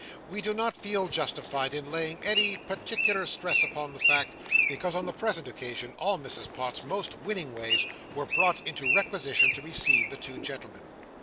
We do not feel justified in laying any particular stress upon the fact, because on the present occasion all Mrs. Pott's most winning ways were brought into requisition to receive the two gentlemen.